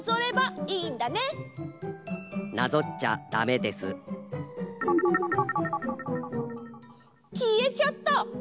きえちゃった！